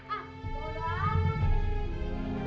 aku mau anggret